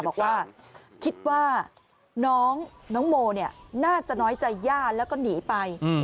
บอกว่าคิดว่าน้องโมน่าจะน้อยใจย่าแล้วก็หนีไป